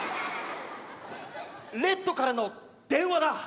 レッドからの電話だ！